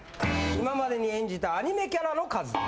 今までに演じたアニメキャラの数。